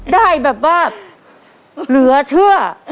ได้แบบว่าเหลือเชื่อ